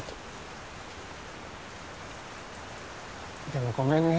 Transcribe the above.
でもごめんね。